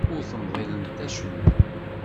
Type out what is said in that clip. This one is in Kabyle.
Ur temḍilemt acemma.